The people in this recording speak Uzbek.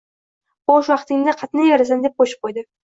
Bo`sh vaqtingda qatnayverasan, deb qo`shib qo`ydi